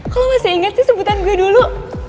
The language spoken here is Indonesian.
kok lo masih inget sih sebutan gue dulu